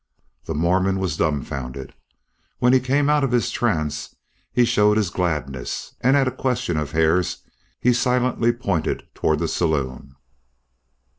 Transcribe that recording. The Mormon was dumbfounded. When he came out of his trance he showed his gladness, and at a question of Hare's he silently pointed toward the saloon.